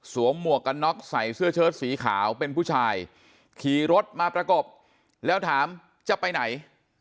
หมวกกันน็อกใส่เสื้อเชิดสีขาวเป็นผู้ชายขี่รถมาประกบแล้วถามจะไปไหน